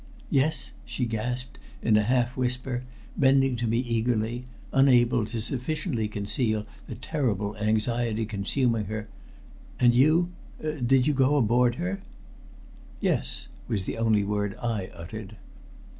"Yes?" she gasped, in a half whisper, bending to me eagerly, unable to sufficiently conceal the terrible anxiety consuming her. "And you did you go aboard her?" "Yes," was the only word I uttered.